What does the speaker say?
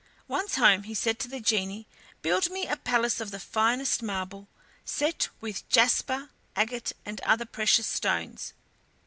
Once home, he said to the genie: "Build me a palace of the finest marble, set with jasper, agate, and other precious stones.